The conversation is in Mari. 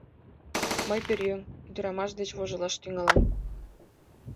Мый, пӧръеҥ, ӱдырамаш деч вожылаш тӱҥалам...